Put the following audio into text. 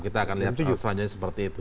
kita akan lihat selanjutnya seperti itu